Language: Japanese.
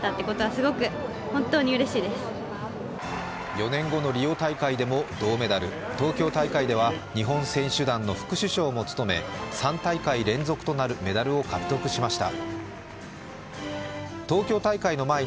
４年後のリオ大会でも銅メダル、東京大会では日本選手団の副主将も務め３大会連続となるメダルを獲得しました。